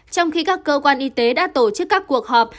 trong khi các cơ quan y tế đã tổ chức các cuộc họp